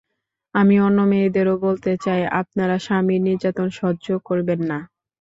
আমি অন্য মেয়েদেরও বলতে চাই, আপনারা স্বামীর নির্যাতন সহ্য করবেন না।